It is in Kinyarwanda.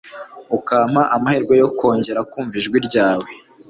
ukampa ayo mahirwe yo kongera kumva ijwi ryawe